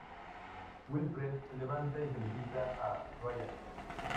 Wilfred se levanta y felicita a Ryan.